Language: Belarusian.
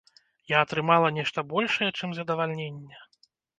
Я атрымала нешта большае, чым задавальненне.